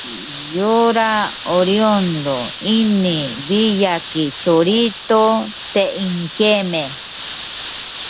El oriundo de Villa Luro, es lateral zurdo.